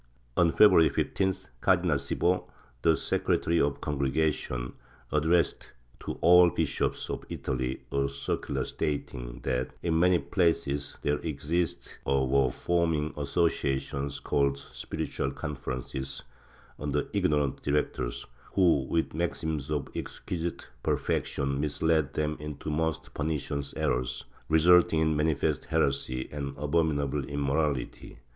On February 15th, Cardinal Cibo, the secre tary of the Congregation, addressed to all the bishops of Italy a circular stating that in many places there existed or were forming associations called spiritual conferences, under ignorant directors, who, with maxims of exquisite perfection, misled them into most pernicious errors, resulting in manifest heresy and abominable immorality.